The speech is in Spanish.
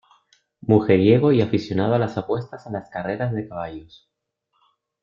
Mujeriego y aficionado a las apuestas en las carreras de caballos.